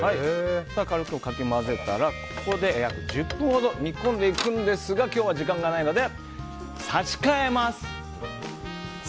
軽くかき混ぜたらここで約１０分ほど煮込んでいくんですが今日は時間がないので差し替えます。